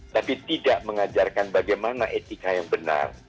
tapi tidak mengajarkan bagaimana etika yang benar